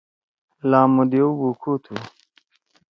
لامو دیؤ بوکھو تُھو۔